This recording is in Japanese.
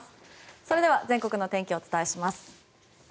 それでは全国の天気をお伝えします。